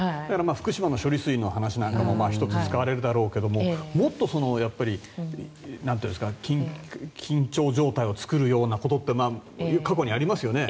福島の処理水の話なんかも１つ、使われるだろうけどもっと緊張状態を作るようなことって過去にありますよね。